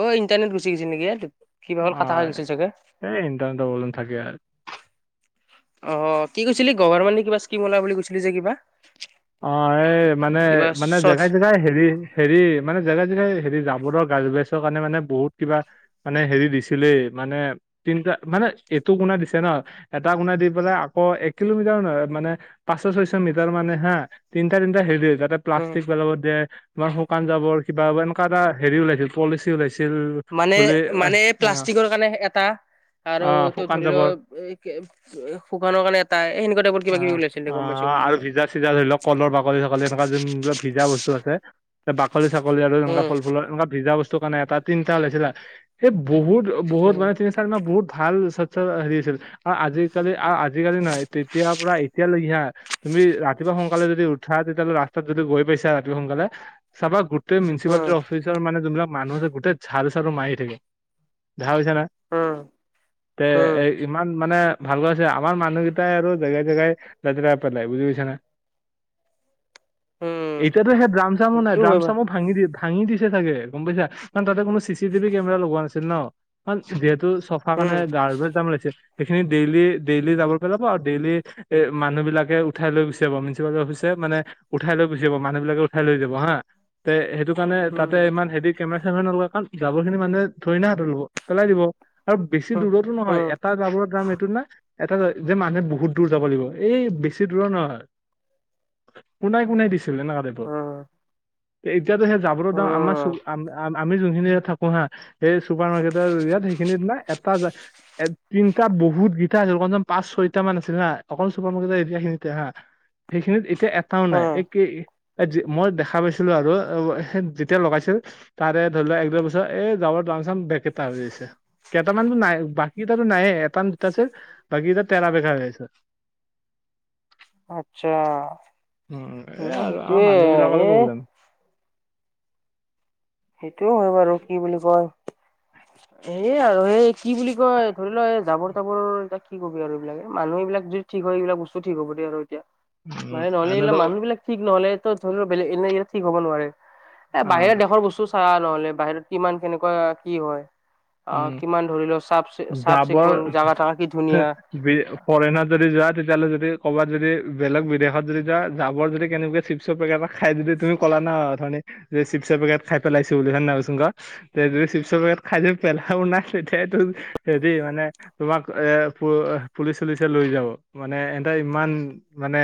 অ', internet গুচি গৈছে নেকি? কিবা হ'ল কাটা খাই হয়, গৈছিল চাগে এই ইণ্টাৰনেটৰ প্ৰব্লেম থাকে আৰু। অ', কি কৈছিলি গভাৰ মানে কিবা স্কিম ওলাই বুলি কৈছিলি যে কিবা? অ', এই মানে কিবা মানে চট জেগাই জেগাই হেৰি হেৰি মানে জেগা জেগাই হেৰি জাবৰৰ গাজ বাইছৰ কাৰণে মানে বহুত কিবা মানে হেৰি দিছিলেই মানে তিনটা মানে এইটো কুনা দিছে ন। এটা কোণাই দি পেলাই আকৌ এক কিলোমিটাৰ নহয় মানে পাঁচশ ছয়শ মিটাৰ মানে হা। তিনিটা তিনিটা হেৰি তাতে উম প্লাষ্টিক পেলাব দিয়ে। তোমাৰ শুকান যাবৰ কিবা এনেকুৱা এটা হেৰি ওলাইছিল পলিচি ওলাইছিল। মানে বুলি অ', মানে প্লাষ্টিকৰ কাৰণে এটা। আৰু অ', তই শুকান ধৰি ল জাবৰ এ শুকানৰ কাৰণে এটা সেনেকুৱা টাইপৰ অ কিবা কিবি ওলাইছিল। দে গম পাইছো অ', গম আৰু পাইছো ভিজা চিজা ধৰি লওঁক কলৰ বাকলি ছাকলি এনেকুৱা যোনিলাক ভিজা বস্তু আছে। বাকলি চাকলী আৰু এনেকুৱা উম ফল ফুলৰ এনেকুৱা ভিজা বস্তু কাৰণে এটা তিনিটা ওলাইছিলে। এই বহুত বহুত মানে উম তিনি চাৰি মানে বহুত ভাল স্বচ্ছ হেৰি আছিল। আহ আজিকালি আহ আজিকালি নহয় তেতিয়াৰ পৰা এতিয়া লৈকে তুমি ৰাতিপুৱা সোনকালে যদি উঠা তেতিয়াহ'লে ৰাস্তাত যদি গৈ পাইছা সোনকালে চাবা গোটেই মিনচিপালটিৰ অফিচ মানে যোনবিলাক মানুহ আছে গোটেই ঝাৰু চালো মাৰিয়ে থাকে দেখা পাইছা না? উম তে এই ইমান মানে ভালকৈ আছে আমাৰ মানুহকেইটাই আৰু জেগাই জেগাই লেতেৰা পেলাই বুজি পাইছানা। উম উম উম এতিয়াতো সেই ড্ৰাম চামো নাই সেইটো ড্ৰাম হয় চামো বাৰু ভাঙি দি ভাঙি দিছে চাগে গম পাইছা। কাৰণ তাতে কোনো চি চি টিভি কেমেৰা লগোৱা হৈছিল ন। কাৰণ যিহেতু চফা উম কাৰণে উম গ্ৰাবেজ দাম্প ওলাইছে। সেইখিনি ডেইলি ডেইলি জাবৰ পেলাব আৰু ডেইলি এ মানুহবিলাকে উঠাই লৈ গুচাব। মিনিছিপালটি অফিচে মানে উঠাই লৈ গুচি যাব, মানুহবিলাকে উঠাই লৈ যাব হা। তে সেইটো সেইটো কাৰণে তাতে ইমান হেৰি কেমেৰা চেমেৰা নলগালে। কাৰণ জাবৰখিনি মানুহে থৰি না হাতৰে ল'ব পেলাই দিব। আৰু বেছি উম দূৰতো নহয় উম এটা জাবৰৰ দাম এইটো না। এটা যে মানুহে বহুত দূৰ যাব লাগিব এই বেছি দূৰৰ নহয়। কোনাই কোনোই দিছিলে এনেকুৱা টাইপৰ। উম এতিয়াতো সেই জাবৰ দাম্প আমাৰ উম চুবুৰী আম-আম আমি যোনখিনি ইয়াত থাকো হা সেই চুপাৰ মাৰ্কেটৰ ইয়াত সেইখিনিত না এটা এ তিনিটা বহুত কিটা আছিল কমচে কম পাঁচ ছয়টা মান আছিল হা। অক চুপাৰ মাৰকেটৰ এতিয়াখিনিতে হা। সেইখিনিত এতিয়া এটাও নাই। উম একে এ যি মই দেখা পাইছিলো আৰু যেতিয়া লগাইছিল। তাৰে ধৰি লোৱা এক দুই বছৰ এই জাবৰৰ দাম চাম বেকেটা হৈ আছে। কেইটামানতো নাই বাকীকেইটাতো নাইয়ে এটা নে দুটা আছে বাকী এটা তেৰা বেকা হৈ আছে। আচ্ছা উম অ' এই আৰু আমাৰ সেইটোৱে মানুহ বিলাকৰে এ। প্ৰব্লেম সেইটোৱে হয় বাৰু কি বুলি কয় [inaudible] এ আৰু এই কি বুলি কয় ধৰি লোৱা এই জাবৰ তাবৰ এটা কি কবি আৰু এইবিলাকে মানুহ এইবিলাক ঠিক হয় এইবিলাক বস্তু ঠিক হ'ব দে আৰু এতিয়া উম মানে নহলে এইবিলাক এনেতো মানুহ বিলাক ঠিক নহলেতো ধৰি লও বেলেগ এনে ঠিক হ'ব নোৱাৰে এ অ বাহিৰা দেশৰ বস্তু চাও নহ'লে বাহিৰত কিমান কেনেকুৱা কি হয়। অ' উম কিমান ধৰি লোৱা চাফ চাফ চিকুণ জাগা চাকা কি ধুনীয়া। বি ফৰেনত যদি যোৱা তেতিয়াহ'লে যদি কৰ'বাত যদি বেলেগ বিদেশত যদি যোৱা যাবৰ যদি কেনেবাকৈ চিপছৰ পেকেট এটা খাই দিলে তুমি কলা ন অথনি যে চিপছৰ পেকেট খাই পেলাইছো বুলি হয় নাই ক' চোন ক' যদি চিপছৰ পেকেট খাই পেলাও নাই তেতিয়াতো হেৰি মানে তোমাক এ প পুলিচ চুলিচে লৈ যাব মানে এহেঁতৰ ইমান মানে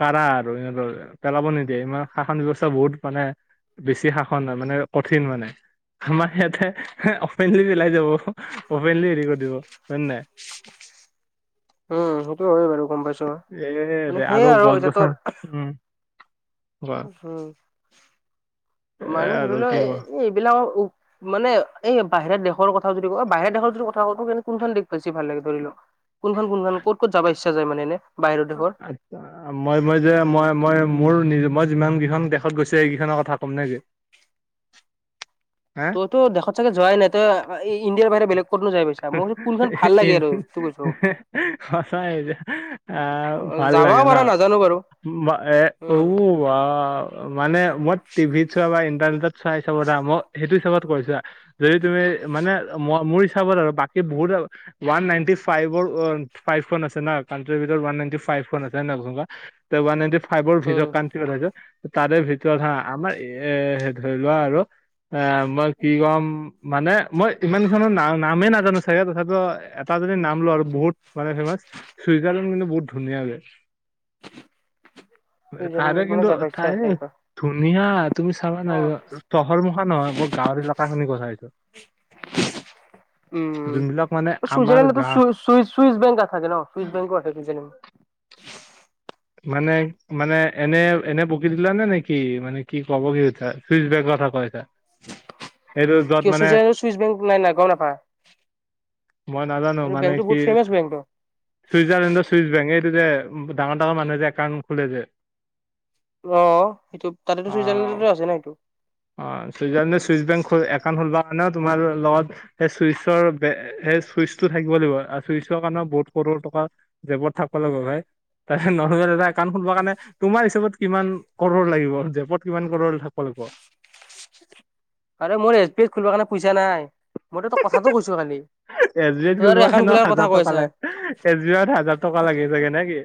কাৰা আৰু এহেঁতৰ পেলাব নিদিয়ে, ইমান শাসন ব্যৱস্থা বহুত মানে বেছি শাসন মানে কঠিন মানে। আমাৰ ইয়াতে অপেনলি পিলাই যাব অপেনলি হেৰি কৰি দিব হয় নে নাই? উম সেইটো হয় বাৰু গম পাইছোঁ। এ চ' দে মানে সেইয়ে আৰু গছ এতিয়াতো গছনি উম কোৱা উম এ মানে ধৰি আৰু লওক কি কোৱা এইবিলাক মানে এই বাহিৰা দেশৰ কথা যদি কয় বাহিৰা দেশৰ যদি কথা কওঁ কোনখন দেশ বেছি ভাল লাগে ধৰি ল? [inaudible] কোনখন কোনখন ক'ত ক'ত যাব ইচ্ছা যায় মানে এনে বাহিৰা দেশৰ? মই মই যে মই মই মোৰ মই যিমান কেইখন দেশত গৈছো এইকেইখনৰ কথা ক'ম নেকি? হা তইতো দেশত চাগে যোৱাই নাই, তই এই ইণ্ডিয়াৰ বাহিৰত বেলেগ কতনো যাই পাইছা, মই কৈছো কোনখন ভাল লাগে ইন আৰু সেটো কৈছো? সঁচাই যে আহ অ ভাল যাবাও লাগে ন? পাৰা নাজানো এ বাৰু মা উ উম উৱাও মানে মই টিভিত চোৱা বা ইণ্টাৰনেটত চাই চাব দে ম সেইটো হিচাপত ক'ত? যদি তুমি মানে মই মোৰ হিচাপত আৰু বাকী বহুত ওৱান নাইনটি ফাইভৰ ফাইভখন আছে না কাট্ৰিৰ ভিতৰত ওৱান নাইনটি ফাইভখন আছে হয় নহয় ওৱান নাইণ্টি ফাইভৰ উম ভিতৰত কাউন্ট্ৰী বা ৰাজ্য তাৰে ভিতৰত হা আমাৰ এ ধৰি লোৱা আৰু এ মই কি কম মানে মই ইমান কেইখনো নাম নামেই নাজানো চাগে তথাপিও এটা যদি নাম লওঁ আৰু বহুত মানে ফেমাচ চুইজাৰলেণ্ড কিন্তু বহুত ধুনীয়া দে। চুইজাৰলেণ্ড তাৰে মানে কিন্তু যাব ইচ্ছা আছে ঠাইয়ে একবাৰ ধুনীয়া তুমি চাবা নাই চহৰ মুখা নহয় মই গাঁৱৰ এলেকা খিনি কথা কৈছো। উম, যোনবিলাক মানে আমাৰ চুইজাৰলেণ্ড গা চুইচ বেংক থাকে ন চুইচ বেংক? [unintelligible] আছে ছুইজাৰলেণ্ড মানে মানে এনে এনে বকি দিলা নে নেকি মানে কি ক'ব কি খুজিছা? চুইচ বেংক কথা কৈ আছা? কিয় চুইজাৰলেণ্ডৰ চুইচ বেংক নাই না গম নাপায়? মই নাজানো। এইটো মানে বেংকটো কি বহুত ফেমাচ বেংকটো চুইজাৰলেণ্ডৰ চুইচ বেংক এইটো যে ডাঙৰ ডাঙৰ মানুহে যে একাউণ্ট খোলে যে? অঁ সেইটো, তাতেতো চুইজাৰলেণ্ডতো আছে না এইটো। অঁ ছুইজাৰলেণ্ডে ছুইচ বেংক একাউণ্ট খোলবা কাৰণে তোমাৰ লগত সেই চুইচৰ সেই চুইচটো থাকিব লাগিব আৰু চুইচৰ কাৰণে বহুত কৰৰ টকা জেপত থাকিবা লাগিব ভাই। তাৰপিছত নৰ্মেল এটা একাউণ্ট খুলবা কাৰণে তোমাৰ হিচাপত কিমান কৰৰ লাগিব জেপত কিমান কৰৰ থাকিব লাগিব? আৰে মোৰ এছ বি আইত খুলিব কাৰণে পইচা নাই। মইতো তোক কথাটো কৈছো খালি এছ বি আইত তই খুলিব আৰু একাউণ্ট কাৰণেও খোলাৰ হাজাৰ কথা কৈ টকা আছা লাগে এছ বি আইত হাজাৰ টকা লাগি চাগে নে কি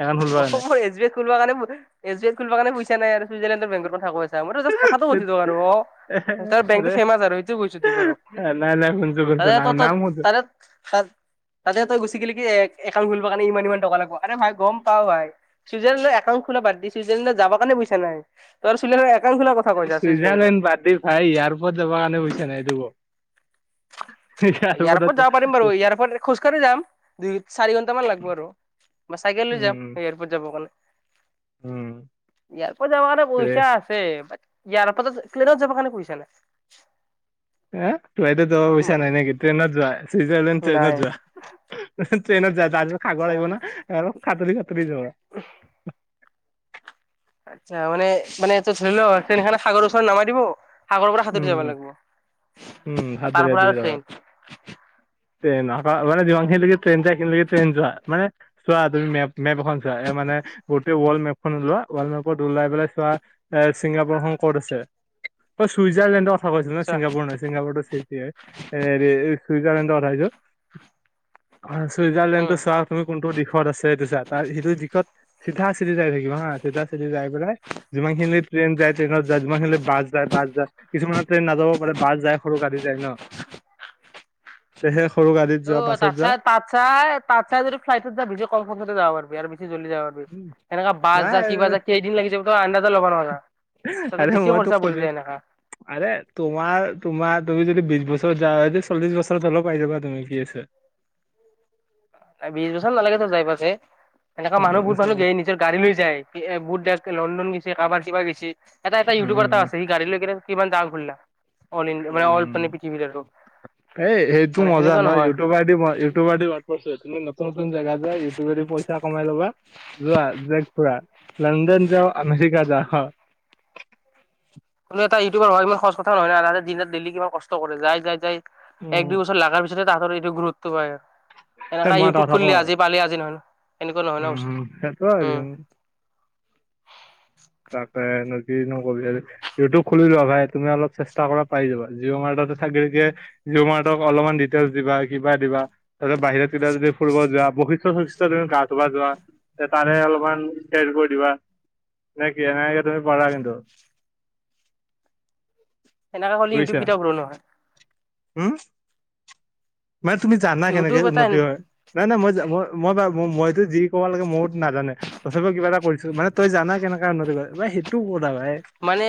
একাউণ্ট খুলিব অ কাৰণে মোৰ এছ বি এ খুলিব কাৰণে এছ বি আই খুলিব কাৰণে পইছা নাই আৰু চুইজাৰ লেণ্ডৰ বেংকৰ কথা কৈ মই জাষ্ট কথাটো ধেৎ সুধিলোঁ আৰু অ তাৰ আৰে বেংকটো ফেমাচ আৰু ইটো কৈছো তোক আৰু নাই নাই শুনছো শুনছো তাৰে নাম নাম শুনছো এটা তাত তাতে তই গুচি গিলি কি একাউণ্ট খুলিবৰ কাৰণে ইমান ইমান টকা লাগিব আৰে ভাই গম পাও ভাই চুইজাৰলেণ্ড একাউণ্ট খোলা বাদ দি চুইজালেণ্ডৰত যাবা কাৰণে পইচা নাই তোৰ চুইজাৰ চুইজাৰলেণ্ড বাদ দি ভাই ইয়াৰপৰ্টত যাব কাৰণে পইছা নাই এয়াৰপৰ্ট এয়াৰপৰ্টত যাব পাৰিম বাৰু এয়াৰপৰ্ট খোজকাঢ়ি যাম দুই চাৰি ঘন্টামান লাগিব আৰু চাইকেল লৈ যাম উম এয়াৰপৰ্ট যাব কাৰণে উম ইয়াৰপৰ্টত যাবা কাৰণে তে পইচা আছে ইয়াৰ পৰা প্লেনত যাব কাৰণে পইচা নাই ফ্লাইটত যাব পইছা মানে নাই নেকি ট্ৰেইন যোৱা চুইজাৰলেণ্ড ট্ৰেইনত নাই যোৱা ট্ৰেইনত যোৱা তাৰপিছত সাগৰ আচ্ছা আহিব না আৰু সাতুৰি সাতুৰি যাবা [inaudible] আচ্ছা মানে মানে এইটো ধৰি লও ট্ৰেইন খন সাগৰ ওচৰত নামাই দিব সাগৰৰ পৰা সাতুৰি উম যাবা লাগিব উম আৰু সাঁতুৰি তাৰ পৰা সাঁতুৰি আৰু যাবা ট্ৰেইন ট্ৰেইন আৰু মানে আচ্ছা যিমানখিনকে ট্ৰেইন যায় সিমানখিনিলৈকে ট্ৰেইনত যোৱা মানে চোৱা তুমি মেপ মেপ এখন চোৱা মানে গোটেই ৱৰ্ল্ড মেপখন ওলোৱা ৱৰ্ল্ড মেপত ওলাই পেলাই চোৱা এ ছিংগাপুৰখন ক'ত আছে অ ছুইজাৰলেণ্ডৰ কথা কৈ আছিলা না আচ্ছা ছিংগাপুৰ নহয় ছিংগাপুৰটো এ হেৰি চুইজাৰলেণ্ডৰ কথা কৈছো চুইজাৰলেণ্ডতো উম চোৱা তুমি কোনটো দিশত আছে সেইটো চা তাৰ সেইটো দিশত চিধা চিধি যাই থাকিবা হা চিধা চিধি যায় পেলাই যিমান খিনিলে ট্ৰেইন যায় ট্ৰেইনত যায় যিমান খিনিলে বাচ যায় বা কিছুমানৰ ট্ৰেইন নাযাব পাৰে বাচ যায় সৰু গাড়ী যায় ন তেহে সৰু গাড়ীত অ যোৱা বাছত যোৱা তাচাই তাতছাই তাতছাই যদি ফালাইটত যা ভিডিঅ কল কৰি যাব পাৰিবি আৰু বেছি জল্দি যাবা পাৰবি উম, এনেকা বাচ নাই যা কিবা যা কেইদিন লাগি যাব তই আন্দাজা ল'ব নোৱাৰা তাতে আৰে বেছি মই খৰচা তোক পৰি কৈছো যায় এনেকা আৰে তোমাৰ তোমাৰ তুমি যদি বিশ বছৰত যা হয় চল্লিশ বছৰত হলেও পাই যাবা তুমি ই এচ বিশ বছৰ নালাগে ত যাই পাৱাতে এনেকুৱা মানুহ বহুত মানুহ উম গা গাড়ী লৈ যায় বুট ডাক লণ্ডন গৈছে কাৰবাৰ কিবা গৈছি এটা এটা উম ইউটিউবাৰ এটা উম আছে সি গাড়ী লৈ কিমান জাগা ঘুৰিলা অল ইন্ডিয়া মানে অল উম। পৃথিৱীৰ আৰু এই সেইটো মানে মজা সেনেকুৱা ন নহয়। ইউটিউবাৰ দি ইউটিউবাৰ নতুন নতুন জাগা যা ইউটিউবাৰে পইছা কমাই লবা যোৱা জেগা পুৰা লণ্ডন যা আমেৰিকা যা কোনো এটা ইউটিউবাৰ হয় ইমান সহজ কথা নহয় না দিন ৰাত দেইলি কিমান কষ্ট কৰে যাই যাই যাই এক উম, দুই বছৰ লাগাৰ পিছত তাহাঁতৰ সেইটো গ্ৰথটো বাঢ়ে এ এনেকা মই এটা ইউটিউব কথা কওঁ খুললি আজি পালি আজি নহয় ন এনেকুৱা নহয় ন উম বস্তুটো হম সেইটো আৰু উম তাতে নদী নো উ টিউব খুলি লোৱা ভাই তুমি অলপ চেষ্টা কৰা পাই যাবা জিঅ' মাৰ্টতে চাকৰিকে জিঅ' মাৰ্টক অলপমান ডিটেইলছ দিবা কিবা দিবা তাৰপিছত বাহিৰত কিবা যদি ফুৰিব যোৱা বৈশিষ্ঠ চৈশিষ্ঠ তুমি গা ধুব যোৱা তাৰে অলপমান টেষ্টবোৰ দিবা নে কি এনেকে তুমি পঢ়া কিন্তু সেনেকা কৰিলে উ টিউব কেতিয়াও গ্ৰ নহয় হম মানে তুমি জানা কেনেকে ইউটিউব এটা উন্নতি হয়, নাই নাই মই ম মই মইতো যি কোৱা লেকে ময়তো নাজানে তথাপি কিবা এটা কৰিছো মানে তই জানা কেনেকাে উন্নতি কৰে মানে সেইটো কৰা ভাই। মানে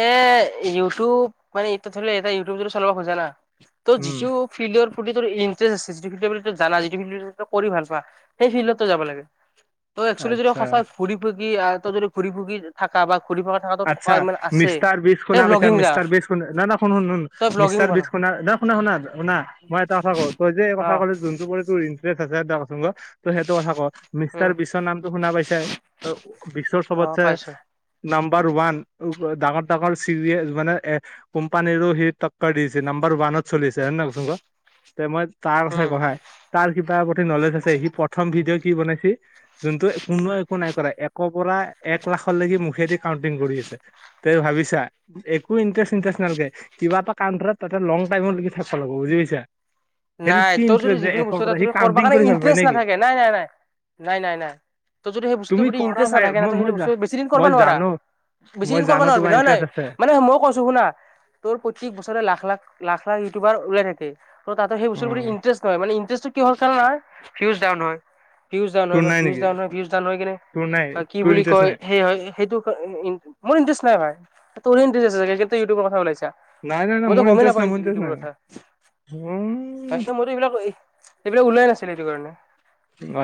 ইউটিউব মানে এতিয়া ধৰি লও এয়া ইউটিউব য চলাব খোজা না ত' উম যিটো ফিল্ডৰ প্ৰতি যদি ইণ্টাৰেষ্ট আছে যিটো বুলি জানা যিটো কৰি ভাল পোৱা। সেই ফিল্ডতে যাব লাগে। ত একচুৱেলি যদি আচ্ছা সঁচা ঘুৰি ফুকি আহ ত যদি ঘূৰি ফুকি থকা বা ঘুৰি ভ আচ্ছা মিষ্টাৰ বিছ শুনা পাইছা যা মিষ্টাৰ বিছ কোন ন ন হোন হোন তই ভ্লগিং মিষ্টাৰ বনা বিছ শুনা না শুনা শুনা শুনা মই এটা কথা ক তই যে এই অ কথা কলি জোন টো ইণ্টাৰেষ্ট আছে [unintelligible] ত সেইটো কথা ক? মিষ্টাৰ উম বিছৰ নামটো শুনা পাইছাই বিশৰ অ চবতছে পাইছো নাম বাৰ ওৱান ডাঙৰ ডাঙৰ চিবিচ মানে এ কোম্পানীৰো সি টকৰ দিছে নাম্বাৰ ৱানত চলি আছে হয় নাই কচুং ক, তে মই তাৰ কথা উম কওঁ হা তাৰ কিবা প্ৰতি নলেজ আছে সি প্ৰথম ভিডিঅ' কি বনাইছে যোনটো কোনোৱ একো নাই কৰা এক পৰা এক লাখলৈকে মুখেদি কাউণ্টিং কৰি আছে, তই ভাবিছা। একো ইণ্টাৰেষ্ট ইণ্টাৰেষ্ট নালাগে কিবা এটা কানটাৰত তাতে লং টাইমৰ লকে চলাব বুজি পাইছা। সেইটোত নাই। কি তোৰ যদি ইণ্টাৰেষ্ট যে যিকোনো একৰ বস্তু পৰা সি এটাত কৰবা কাউণ্টিং কৰি কাৰণে ভাল পায় ইণ্টাৰেষ্ট নেকি নাথাকে। নাই। নাই। নাই। নাই। নাই। নাই। তোৰ যদি সেই বস্তুৰ তুমি প্ৰতি কৰা ইণ্টাৰেষ্ট ভাই নাথাকে মই ন সেই মই যা বস্তু বেছি দিন কৰিব মই নোৱাৰা। জানো বেছি মই দিন কৰবা জানো নোৱাৰিবি তোমাৰ নহয় নাই, ইণ্টাৰেষ্ট আছে মানে মই কৈছো শুনা তোৰ প্ৰতিক বছৰে লাখ লাখ লাখ লাখ ইউটিউবাৰ ওলাই থাকে। ত তাতে সেই বস্তুৰ উম ইণ্টাৰেষ্ট নহয় মানে ইণ্টাৰেষ্টটো কিহৰ কাৰনে হৈ ভিওছ দাৱুন হয় ভিউজ ডাউন হয়। তোৰ নাই ভিউজ নেকি ডাউন হয় কিনে তোৰ নাই বা কি তোৰ বুলি ইণ্টাৰেষ্ট কয় নাই সেই হয় সেইটো মোৰ ইণ্টাৰেষ্ট নাই ভাই তোৰে ইণ্টেৰেষ্ট আছে ছাগে সেইকাৰণেটো ইউটিউবৰ কথা ওলাইছা। নাই নাই নাই মই তো মোৰ গমেই ইণ্টাৰেষ্ট নাপাও নাই মোৰ ইণ্টাৰেষ্ট ইউটিউবৰ নাই কথা উম তাৰিছত মইতো এইবিলাক এইবিলাক ওলাই নাছিলে এইটো কাৰণে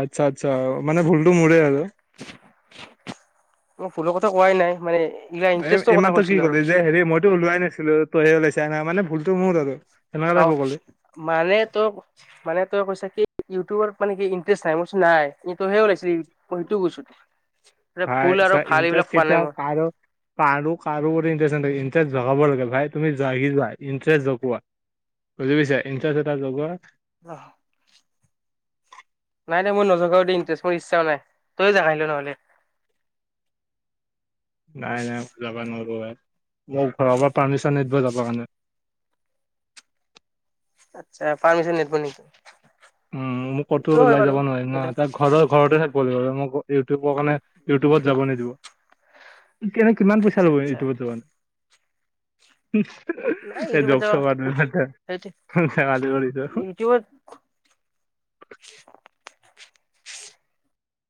আচ্ছা আচ্ছা মানে ভুলতটো মৰে আৰু মই ভুলৰ কথা কোৱাই নাই মানে এইগিলা এ ইণ্টাৰেষ্টৰ কথা এইমাত্ৰ কি কৈছিলো আৰু কলি যে হেৰি মইতো ওলোৱাই নাছিলো তই ওাইচাহ নাই মানে ভুলতো মোৰ আৰু সেনেকুৱা চাও টাইপৰ ক'লি মানে ত মানে তই কৈছা কি ইউটিউবত মানে কি ইন্টাৰেষ্ট নাই মই কৈছোঁ নাই, তইহে ওলাইছ মই সেইটো কৈছোঁ। ভাই চা ইণ্টাৰেষ্ট কোৱা কেতিয়া নাই মই কাৰো কাৰো কাৰো প্ৰতি ইণ্টৰেষ্ট নেথাকে ইণ্টৰেষ্ট জগাব লাগে ভাই তুমি জাগি যোৱা ইণ্টাৰেষ্ট জগোৱা। বুজি পাইছা ইণ্টাৰেষ্ট এটা জগোৱা অ। নাই নাই মই নজগাওঁ দেই ইটাৰেষ্ট মোৰ ইচ্ছা নাই, তইয় জগাই ল নহ'লে [inaudible] নাই নাই যাব নোৱাৰো ভাই, মোক ঘৰৰ পৰা পাৰ্মিচন নিদিব যাব কাৰণে। আচ্ছা পাৰ্মিচন নিদব নিকি? উম মোক ক'তো ওলাই যাব নোৱাৰি ন সেইটো তাৰ ঘৰৰ ঘৰতে থাকিব লাগিব আৰু মোক ইউটিউবৰ কাৰণে ইউটিউবত যাব নিদিব। এনেই কিমান পইচা আচ্ছা ল'ব আচ্ছা ইউটিউবত ত যোৱা কাৰণে? [unintelligible] নাই ইউটিউবত যাব এনেই সেইটোৱে ধেমালী কৰিছোঁ। ইউটিউবত [unintelligible]